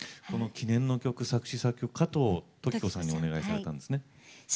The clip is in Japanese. この記念の曲作詞・作曲を加藤登紀子さんにお願いされたんですね。